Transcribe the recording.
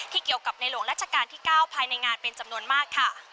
เกี่ยวกับในหลวงราชการที่๙ภายในงานเป็นจำนวนมากค่ะ